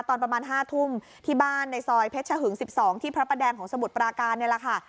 ตอนประมาณ๕ทุ่มที่บ้านในซอยเพชรชะหึง๑๒ที่พระประแดงของสมุทรปราการนี่แหละค่ะ